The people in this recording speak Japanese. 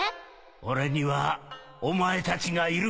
俺にはお前たちがいる